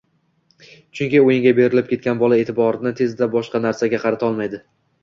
Chunki o‘yinga berilib ketgan bola e’tiborini tezda boshqa narsaga qarata olmaydi.